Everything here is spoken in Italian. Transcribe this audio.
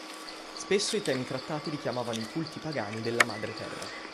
Spesso i temi trattati richiamavano i culti pagani della madre terra.